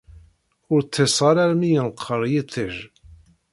Ur ṭṭiseɣ ara armi yenqer yiṭij.